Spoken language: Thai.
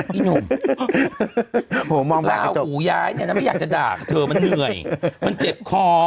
อ่ะอีหนุ่มแล้วหูย้ายเนี้ยมันไม่อยากจะด่าเธอมันเหนื่อยมันเจ็บคอ